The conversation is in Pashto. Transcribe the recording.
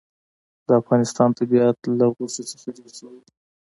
د افغانستان طبیعت له غوښې څخه جوړ شوی دی.